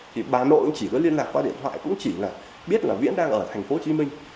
thì bà nội chỉ có liên lạc qua điện thoại cũng chỉ là biết là viễn đang ở thành phố hồ chí minh